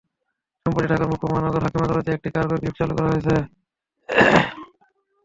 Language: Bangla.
সম্প্রতি ঢাকার মুখ্য মহানগর হাকিম আদালতে একটি কার্গো লিফট চালু করা হয়েছে।